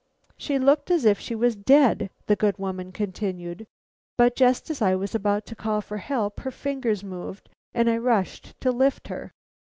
"She looked as if she was dead," the good woman continued, "but just as I was about to call for help, her fingers moved and I rushed to lift her.